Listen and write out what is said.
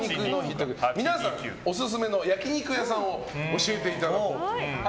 皆さんオススメの焼き肉屋さんを教えていただこうと。